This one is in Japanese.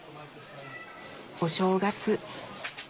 お正月。